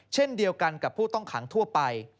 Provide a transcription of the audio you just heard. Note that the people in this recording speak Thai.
เช่นเดียวกันกับผู้ต้องขังทั่วไป